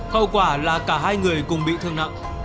hậu quả là cả hai người cùng bị thương nặng